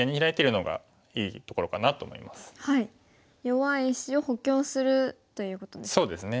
弱い石を補強するということですか。